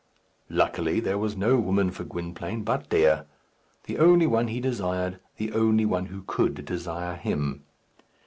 Luckily, there was no woman for Gwynplaine but Dea the only one he desired, the only one who could desire him.